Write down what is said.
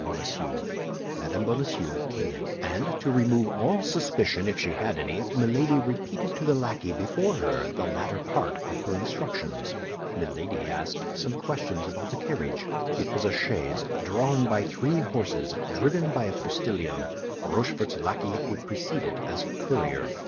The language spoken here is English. Bonacieux. Mme. Bonacieux came in; and to remove all suspicion, if she had any, Milady repeated to the lackey, before her, the latter part of her instructions. Milady asked some questions about the carriage. It was a chaise drawn by three horses, driven by a postillion; Rochefort's lackey would precede it, as courier.